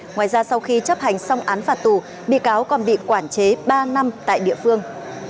ngoài ra sau khi chấp hành xong án phạt tù bị cáo còn bị quản chế ba năm tại địa phương